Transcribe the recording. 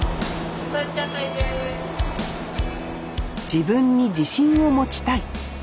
自分に自信を持ちたい。